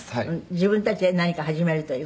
「自分たちで何か始めるという」